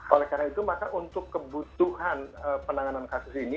oleh karena itu maka untuk kebutuhan penanganan kasus ini